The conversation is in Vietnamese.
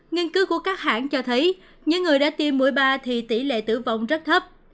nghiên cứu của các hãng cho thấy những người đã tiêm mũi ba thì tỷ lệ tử vong rất thấp